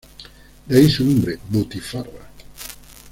De ahí su nombre: "Butifarra!